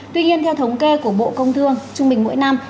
tuy nhiên theo thống kê của bộ công thương trung bình mỗi năm